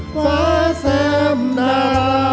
ขวาแซมดา